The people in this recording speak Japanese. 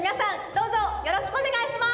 どうぞよろしくおねがいします！